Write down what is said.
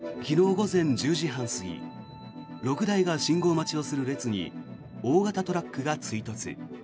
通報は昨日午前１０時半過ぎ６台が信号待ちをする列に大型トラックが追突。